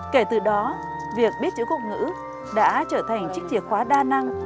kể từ đó việc biết chữ quốc ngữ đã trở thành chiếc chìa khóa đa năng